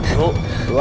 satu dua tiga